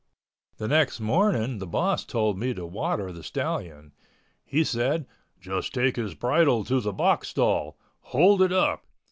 The next morning the boss told me to water the stallion. He said, "Just take his bridle to the box stall. Hold it up.